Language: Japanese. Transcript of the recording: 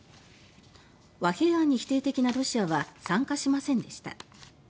和平案に否定的なロシアは参加しませんでした。